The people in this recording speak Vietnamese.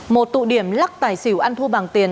một tụ điểm lắc tài xỉu ăn thua bằng tiền